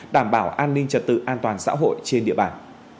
đảm bảo an ninh trật tự an toàn xã hội trên địa bàn